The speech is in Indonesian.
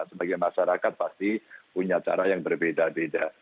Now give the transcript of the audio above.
sebagai masyarakat pasti punya cara yang berbeda beda